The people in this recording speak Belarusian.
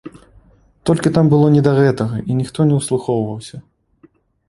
Толькі там было не да гэтага і ніхто не ўслухоўваўся.